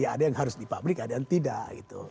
ada yang harus di publik ada yang tidak